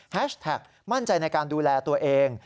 แท็กมั่นใจในการดูแลตัวเอง